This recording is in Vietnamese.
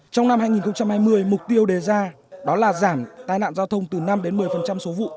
trong năm hai nghìn hai mươi mục tiêu đề ra đó là giảm tai nạn giao thông từ năm đến một mươi số vụ